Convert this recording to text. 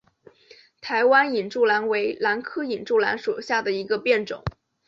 台湾隐柱兰为兰科隐柱兰属下的一个变种。